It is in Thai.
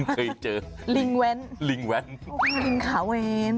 เคยเจอลิงแว้นลิงขาวแว้น